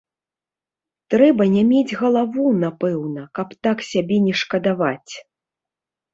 Трэба не мець галаву, напэўна, каб так сябе не шкадаваць!